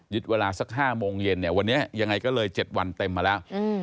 เวลาสัก๕โมงเย็นเนี่ยวันนี้ยังไงก็เลย๗วันเต็มมาแล้ว